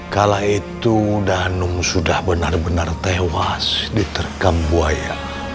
kalau itu danung sudah benar benar tewas diterkam buaya